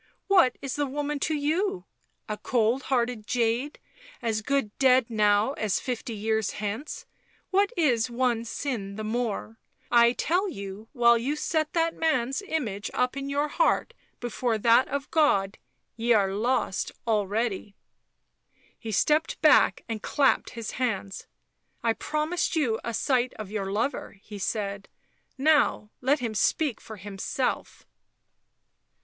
" What is the woman to you? A cold hearted jade, as good dead now as fifty years hence — what is one sin the more ? I tell you while you set that man's image up in your heart before that of God ye are lost already." He stepped back and clapped his hands. " I promised you a sight of your lover," he said. " Now let him speak for himself."